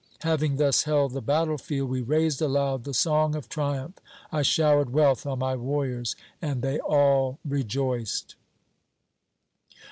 Having thus held the battle field, we raised aloud the song of triumph. I showered wealth on my warriors and they all rejoiced.